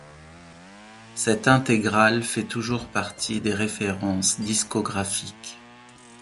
Cette intégrale fait toujours partie des références discographiques.